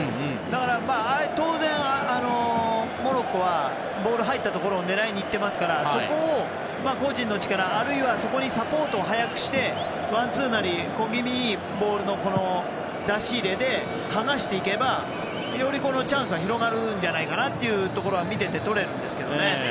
だから、当然モロッコはボール入ったところを狙いに行ってますからそこを個人の力あるいはサポートを早くしてワンツーなり小気味いいボールの出し入れで離していけばよりチャンスは広がるんじゃないかなというのは見て取れるんですけどね。